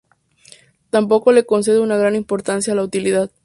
Tampoco le concede una gran importancia a la utilidad.